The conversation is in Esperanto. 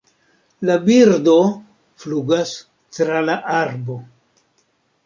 La birdo flugas tra la arbo